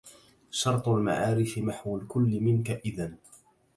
شرط المعارف محو الكل منك إذا